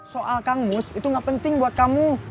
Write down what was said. soal kang mus itu nggak penting buat kamu